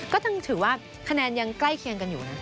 ก็ยังถือว่าคะแนนยังใกล้เคียงกันอยู่นะ